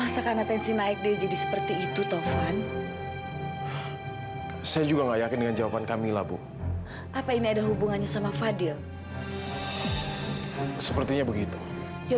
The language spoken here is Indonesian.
sampai jumpa di video selanjutnya